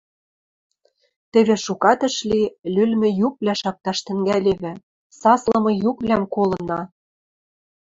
Теве шукат ӹш ли, лӱлмӹ юквлӓ шакташ тӹнгӓлевӹ, саслымы юквлӓм колына: